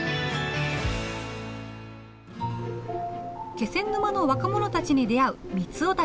気仙沼の若者たちに出会うみつお旅。